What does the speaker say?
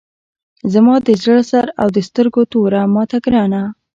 زما د زړه سر او د سترګو توره ماته ګرانه!